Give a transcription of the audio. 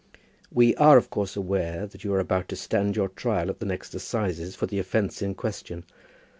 We are, of course, aware that you are about to stand your trial at the next assizes for the offence in question.